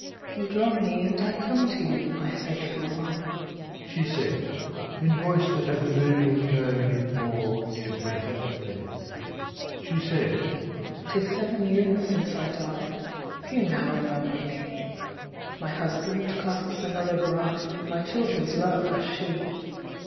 "You draw me, and I come to you, My faithful one," she said, In voice that had the moving tone It bore ere breath had fled. She said: "'Tis seven years since I died: Few now remember me; My husband clasps another bride; My children's love has she.